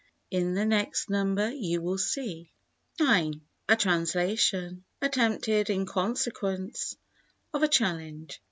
In the next number you will see. ix—A Translation (Attempted in consequence of a challenge.)